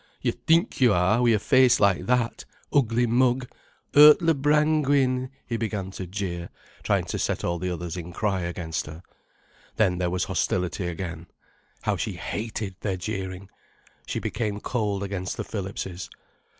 "You think you are—wi' a face like that—Ugly Mug,—Urtler Brangwin," he began to jeer, trying to set all the others in cry against her. Then there was hostility again. How she hated their jeering. She became cold against the Phillipses.